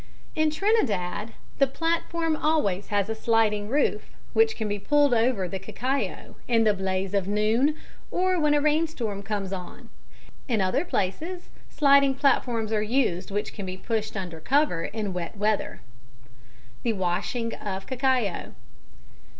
] In Trinidad the platform always has a sliding roof, which can be pulled over the cacao in the blaze of noon or when a rainstorm comes on. In other places, sliding platforms are used which can be pushed under cover in wet weather. _The Washing of Cacao.